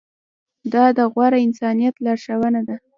دا د غوره انسانیت لارښوونه ده.